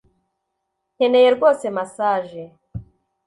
Nkeneye rwose massage